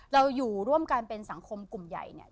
เราอยู่ร่วมกันเป็นสังคมกลุ่มใหญ่เนี่ย